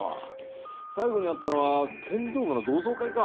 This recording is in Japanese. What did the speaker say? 最後に会ったのは剣道部の同窓会か？